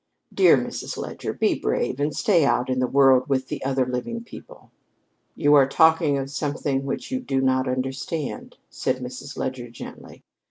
Dear Mrs. Leger, be brave and stay out in the world with the other living people." "You are talking of something which you do not understand," said Mrs. Leger gently.